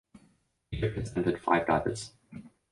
Egypt has entered five divers.